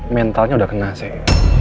mentalnya udah kena sih